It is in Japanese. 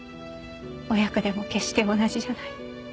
親子でも決して同じじゃない。